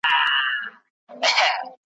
د هیلیو له کشپ سره دوستي سوه ,